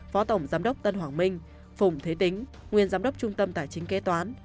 phó tổng giám đốc tân hoàng minh phùng thế tính nguyên giám đốc trung tâm tài chính kế toán